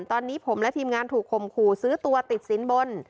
ตอนนี้ผมและทีมงานถูกข่มขู่ซื้อตัวติดสินบน